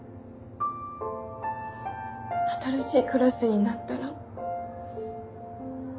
新しいクラスになったら。